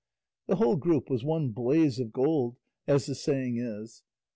The whole group was one blaze of gold, as the saying is.